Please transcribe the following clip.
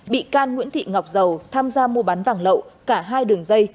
bị can nguyễn thị ngọc dầu tham gia mua bán vàng lậu cả hai đường dây